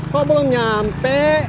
kok belum nyampe